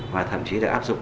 và thậm chí đã áp dụng